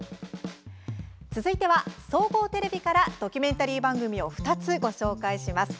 続いては、総合テレビからドキュメンタリー番組を２つご紹介します。